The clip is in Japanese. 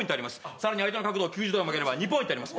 更に相手の角度を曲げれば２ポイント入ります。